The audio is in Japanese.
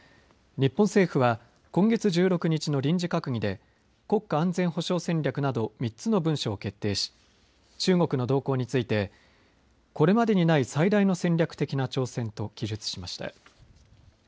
日本政府は今月１６日の臨時閣議で国家安全保障戦略など３つの文書を決定し中国の動向についてこれまでにない最大の戦略的な挑戦と記述しました。